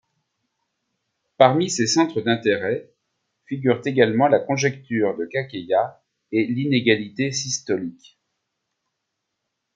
Parmi ses centres d'intérêts figurent également la conjecture de Kakeya et l'inégalité systolique.